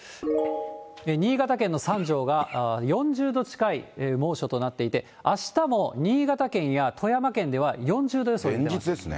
新潟県の三条が４０度近い猛暑となっていて、あしたも新潟県や富山県では、４０度予想です。